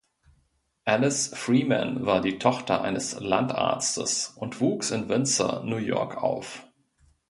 Alice Freeman war die Tochter eines Landarztes und wuchs in Windsor, New York, auf.